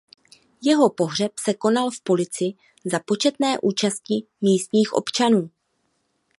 Jeho pohřeb se konal v Polici za početné účasti místních občanů.